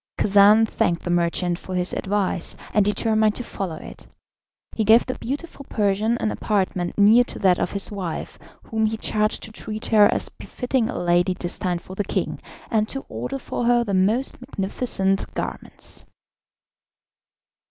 Khacan thanked the merchant for his advice, and determined to follow it. He gave the beautiful Persian an apartment near to that of his wife, whom he charged to treat her as befitting a lady destined for the king, and to order for her the most magnificent garments.